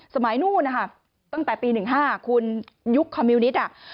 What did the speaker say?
สมัยนู้นนะคะตั้งแต่ปี๑๕คุณยุคคอมมิวนิตอ่ะ